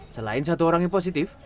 selain satu orang yang positif